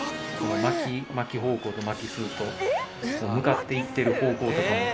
巻き方向と巻き数と向かっていってる方向とかもこう。